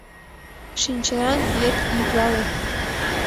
Шинчыран пиет йӱклале.